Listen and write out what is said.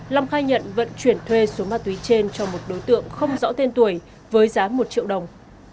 long khai nhận vận chuyển thuê số ma túy trên cho một đối tượng không rõ tên tuổi với giá một triệu đồng